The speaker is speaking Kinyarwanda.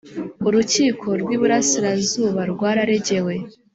Urukiko rw ,iburasirazuba rwa raregewe.